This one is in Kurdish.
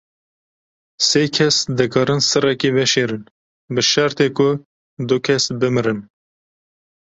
Sê kes dikarin sirekê veşêrin, bi şertê ku du kes bimirim.